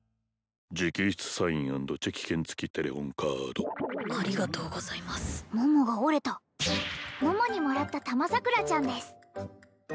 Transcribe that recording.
直筆サイン＆チェキ券付きテレホンカードありがとうございます桃が折れた桃にもらったたまさくらちゃんですでもどうしてそんなにた